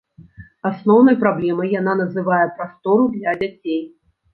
Асноўнай праблемай яна называе прастору для дзяцей.